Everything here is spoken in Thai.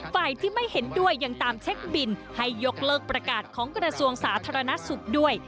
ฝ่ายที่ไม่เห็นด้วยยังตามเช็คบินให้ยกเลิกประกาศของกระทรวงสาธารณสุขด้วย